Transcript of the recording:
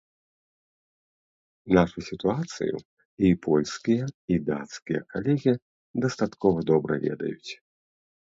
Нашу сітуацыю і польскія, і дацкія калегі дастаткова добра ведаюць.